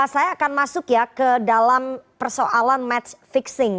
saya akan masuk ya ke dalam persoalan match fixing